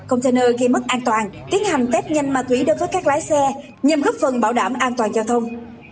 container gây mất an toàn tiến hành test nhanh ma túy đối với các lái xe nhằm góp phần bảo đảm an toàn giao thông